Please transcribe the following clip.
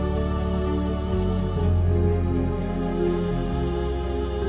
kamu basesen gipin